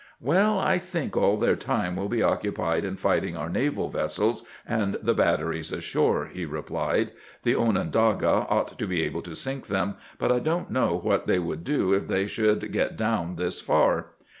" "Well, I think all their time will be occupied in fight ing' our naval vessels and the batteries ashore," he re plied. " The Onondaga ought to be able to sink them, but I don't know what they would do if they should get down this far."